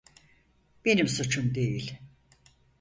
Benim suçum değil.